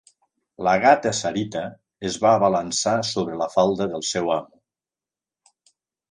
La gata Sarita es va abalançar sobre la falda del seu amo.